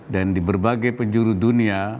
dan di berbagai penjuru dunia